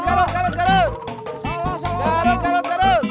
garut garut garut